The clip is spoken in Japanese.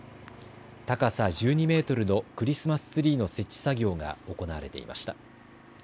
高さ１２メートルのクリスマスツリーの設置作業が行われていました。